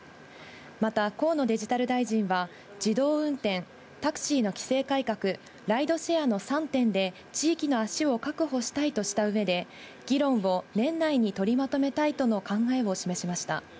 また河野デジタル大臣は、自動運転、タクシーの規制改革、ライドシェアの３点で、地域の足を確保したいとしたうえで、議論を年内に取りまとめたいとの考えを示しました。